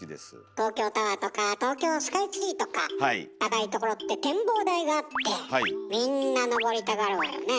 東京タワーとか東京スカイツリーとか高いところって展望台があってみんなのぼりたがるわよねえ。